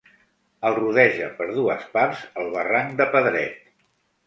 El rodeja per dues parts el Barranc de Pedret.